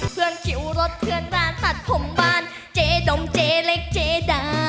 คิวรถเพื่อนบ้านตัดผมบ้านเจ๊ดมเจเล็กเจดา